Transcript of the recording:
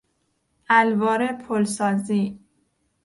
الوار پلسازی